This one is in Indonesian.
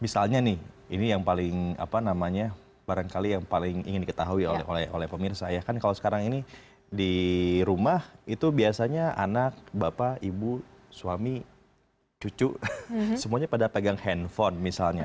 misalnya nih ini yang paling apa namanya barangkali yang paling ingin diketahui oleh pemirsa ya kan kalau sekarang ini di rumah itu biasanya anak bapak ibu suami cucu semuanya pada pegang handphone misalnya